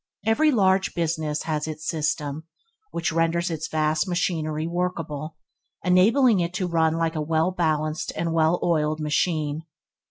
Every large business has its system which renders its vast machinery workable, enabling it to run like a well balanced and well oiled machine.